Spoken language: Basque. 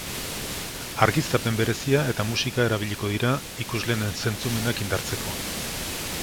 Argiztapen berezia eta musika erabiliko dira ikusleen zentzumenak indartzeko.